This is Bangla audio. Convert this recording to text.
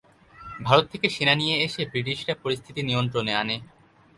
ভারত থেকে সেনা নিয়ে এসে ব্রিটিশরা পরিস্থিতি নিয়ন্ত্রণে আনে।